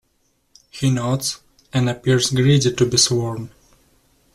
He nods, and appears greedy to be sworn.